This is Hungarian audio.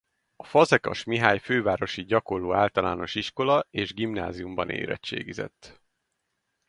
A Fazekas Mihály Fővárosi Gyakorló Általános Iskola és Gimnáziumban érettségizett.